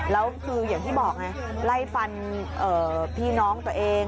แล้วคืออย่างที่บอกไงไล่ฟันพี่น้องตัวเอง